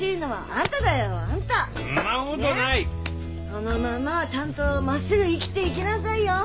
そのままちゃんと真っすぐ生きていきなさいよ。